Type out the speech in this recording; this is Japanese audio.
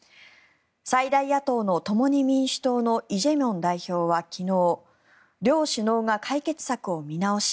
最大野党の共に民主党のイ・ジェミョン代表は昨日両首脳が解決策を見直し